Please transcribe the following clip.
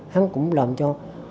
hắn cũng làm cho